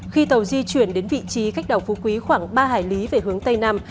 khi tàu di chuyển đến vị trí cách đảo phú quý khoảng ba hải lý về hướng tây nam